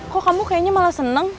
kok kamu kayaknya malah seneng